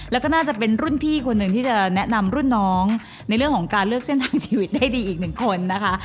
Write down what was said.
แล้วก็น่าจะเป็นรุ่นพี่คนหนึ่งที่จะแนะนำรุ่นน้องในเรื่องของการเลือกเส้นทางชีวิตได้ดีอีกหนึ่งคนนะคะ